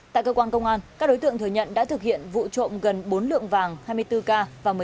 tại cơ quan công an các đối tượng thừa nhận đã thực hiện vụ trộm gần bốn lượng vàng hai mươi bốn k và một mươi tám